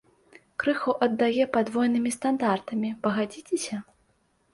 Крыху аддае падвойнымі стандартамі, пагадзіцеся?